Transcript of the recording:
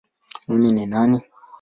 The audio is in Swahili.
Mimi ni nani?